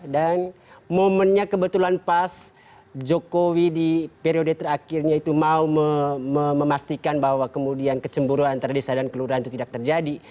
dan momennya kebetulan pas jokowi di periode terakhirnya itu mau memastikan bahwa kemudian kecemburuan antara desa dan kelurahan itu tidak terjadi